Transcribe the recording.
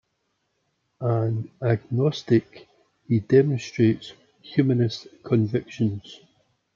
An agnostic, he demonstrated humanist convictions.